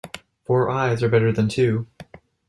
Four eyes are better than two.